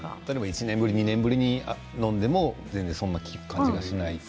１年ぶり、２年ぶりに飲んでもそんな感じがしないと。